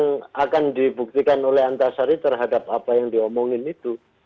yang akan dibuktikan oleh antasari terhadap apa yang diomongin itu